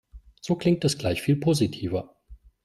So klingt es gleich viel positiver.